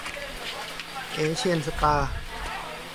เอเชี่ยนสตาร์